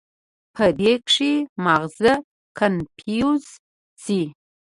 پۀ دې کښې مازغه کنفيوز شي